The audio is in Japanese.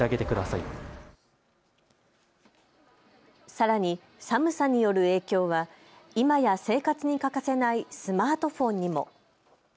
さらに寒さによる影響は今や生活に欠かせないスマートフォンにも。